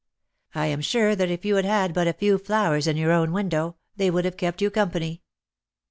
"I am sure that if you had had but a few flowers in your own window, they would have kept you company."